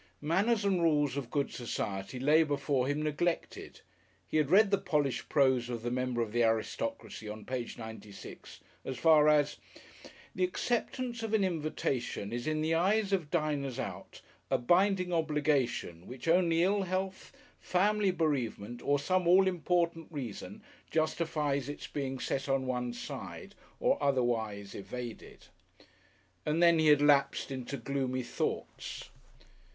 "Manners and Rules of Good Society" lay before him neglected. He had read the polished prose of the Member of the Aristocracy, on page 96, as far as "the acceptance of an invitation is in the eyes of diners out, a binding obligation which only ill health, family bereavement, or some all important reason justifies its being set on one side or otherwise evaded" and then he had lapsed into gloomy thoughts.